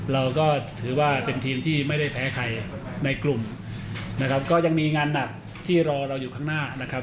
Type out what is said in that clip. เราก็ถือว่าเป็นทีมที่ไม่ได้แพ้ใครในกลุ่มนะครับก็ยังมีงานหนักที่รอเราอยู่ข้างหน้านะครับ